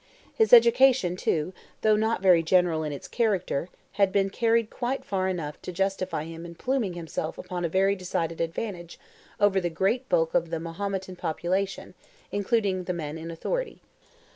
His education too, though not very general in its character, had been carried quite far enough to justify him in pluming himself upon a very decided advantage over the great bulk of the Mahometan population, including the men in authority.